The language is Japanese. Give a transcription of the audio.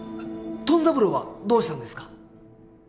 トン三郎はどうしたんですか？